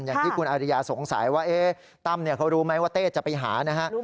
อย่างที่คุณอาริยาสงสัยว่าตั้มเขารู้ไหมว่าเต้จะไปหานะฮะ